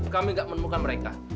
kami tidak menemukan mereka